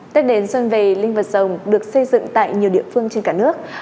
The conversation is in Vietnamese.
tết đến xuân về linh vật rồng được xây dựng tại nhiều địa phương trên cả nước